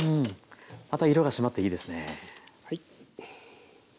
また色が締まっていいですね。